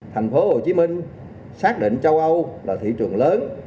thành phố hồ chí minh xác định châu âu là thị trường lớn